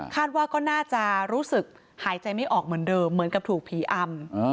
ว่าก็น่าจะรู้สึกหายใจไม่ออกเหมือนเดิมเหมือนกับถูกผีอำ